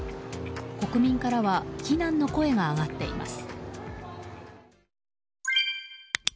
国民からは非難の声が上がっています。